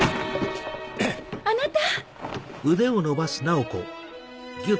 あなた！